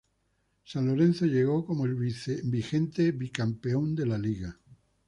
San Lorenzo llegó como el vigente bicampeón de La Liga.